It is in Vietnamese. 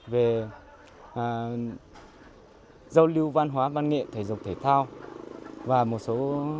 về giao lưu văn hóa văn nghệ thể dục thể thao